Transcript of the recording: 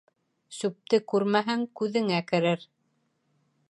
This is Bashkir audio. Сүпте күрмәһәң, күҙеңә керер.